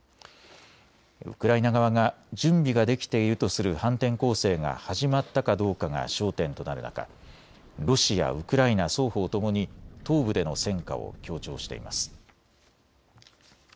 ウクライナ側が準備ができているとする反転攻勢が始まったかどうかが焦点となる中、ロシア、ウクライナ双方ともに東部での戦果を強調しています。